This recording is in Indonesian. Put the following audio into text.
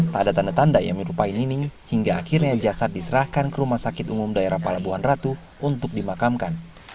tak ada tanda tanda yang menyerupai nining hingga akhirnya jasad diserahkan ke rumah sakit umum daerah palabuhan ratu untuk dimakamkan